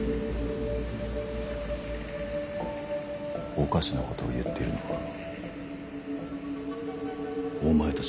おかしなことを言っているのはお前たちの方だ。